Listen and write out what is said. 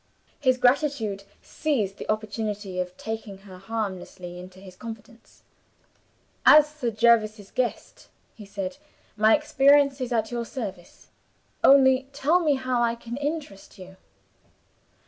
His gratitude seized the opportunity of taking her harmlessly into his confidence. "As Sir Jervis's guest," he said, "my experience is at your service. Only tell me how I can interest you."